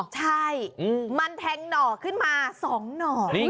ใช่มันแถงหนอกขึ้นมาสองหนอ